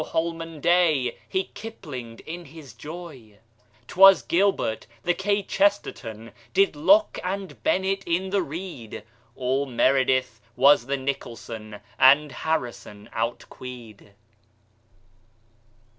Oh, holman day!" He kiplinged in his joy. 'Twas gilbert. The kchesterton Did locke and bennett in the reed. All meredith was the nicholson, And harrison outqueed.